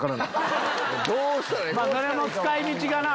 それも使い道がなぁ。